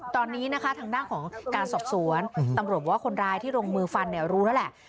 ตอนนี้นะคะทางด้านของการสอบสวนตำรวจว่าคนร้ายที่ลงมือฟันเนี่ยรู้แล้วแหละ